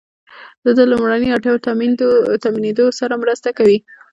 د دوی لومړنیو اړتیاوو تامینیدو سره مرسته کوي.